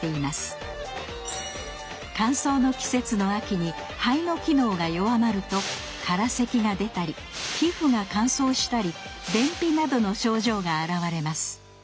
乾燥の季節の秋に「肺」の機能が弱まると空せきが出たり皮膚が乾燥したり便秘などの症状が現れます